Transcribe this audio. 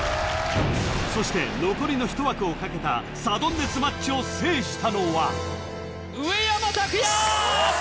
そして残りの１枠をかけたサドンデスマッチを制したのは上山拓也！